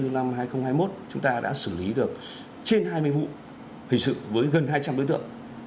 năm hai nghìn hai mươi một chúng ta đã xử lý được trên hai mươi vụ hình sự với gần hai trăm linh đối tượng